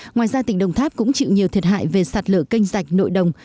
ngoài ra tỉnh đồng tháp cũng chịu nhiều thiệt hại về sạt lở kênh rạch nội đồng